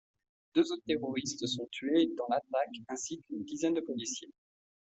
Deux autres terroristes sont tués dans l'attaque ainsi qu'une dizaine de policiers.